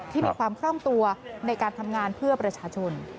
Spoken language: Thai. ที่มีความคล่องตัวในการทำงานเพื่อประชาชน